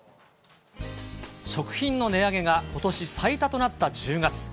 食品の値上げが、ことし最多となった１０月。